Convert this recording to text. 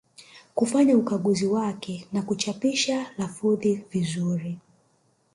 Kufanya ukaguzi wake na kuchapisha lafudhi vizuri